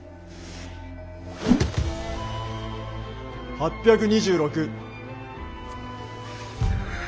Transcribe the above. ８２６。